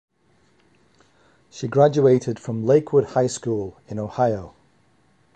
She graduated from Lakewood High School in Ohio.